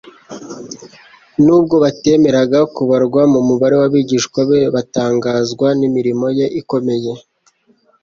nubwo batemeraga kubarwa mu mubare w'abigishwa be, bagatangazwa n'imirimo ye ikomeye.